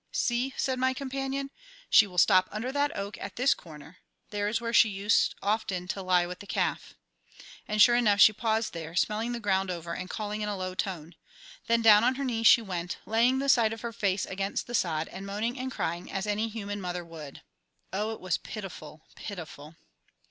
"See!" said my companion; "she will stop under that oak at this corner; there is where she used often to lie with the calf." And sure enough she paused there, smelling the ground over and calling in a low tone; then down on her knees she went, laying the side of her face against the sod and moaning and crying as any human mother would. Oh, it was pitiful, pitiful!